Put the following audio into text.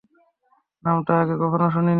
নামটা আগে কখনও শুনিনি!